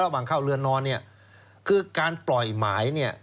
เข้าเรือนนอนเนี่ยคือการปล่อยหมายเนี่ย